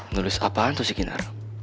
nulis apaan itu si kinar